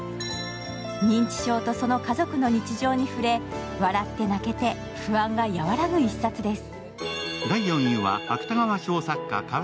認知症とその家族の日常に触れ笑って泣けて不安が和らぐ一冊です。